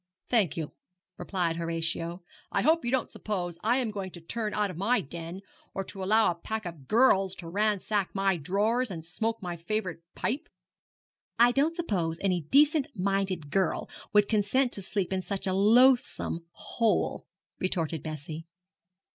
'Thank you,' replied Horatio; 'I hope you don't suppose I am going to turn out of my den, or to allow a pack of girls to ransack my drawers and smoke my favourite pipe.' 'I don't suppose any decent minded girl would consent to sleep in such a loathsome hole,' retorted Bessie.